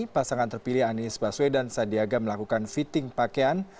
pasangan terpilih anies baswedan sandiaga melakukan fitting pakaian